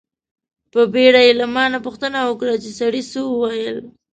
په بیړه یې له ما نه پوښتنه وکړه چې سړي څه و ویل.